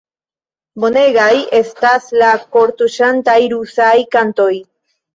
Bonegaj estas la kortuŝantaj rusaj kantoj!